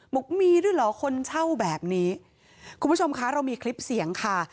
บอกมีด้วยเหรอคนเช่าแบบนี้คุณผู้ชมคะเรามีคลิปเสียงค่ะ